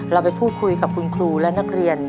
เราไปพูดคุยกับคุณครูและนักเรียน